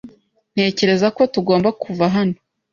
Ntekereza ko tugomba kuva hano.